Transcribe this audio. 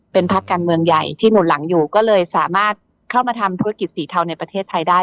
เป็นพักการเมืองใหญ่ที่หมุนหลังอยู่ก็เลยสามารถเข้ามาทำธุรกิจสีเทาในประเทศไทยได้